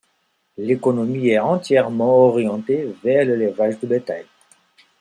L'économie est entièrement orientée vers l'élevage de bétail.